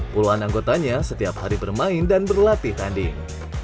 puluhan anggotanya setiap hari bermain dan berlatih tanding